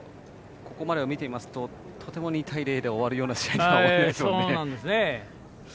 ここまでを見ていますととても２対０で終わるような試合には見えないですね。